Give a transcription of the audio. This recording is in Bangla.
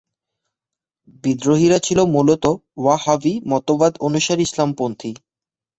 বিদ্রোহীরা ছিল মূলত ওয়াহাবি মতবাদ অনুসারী ইসলামপন্থী।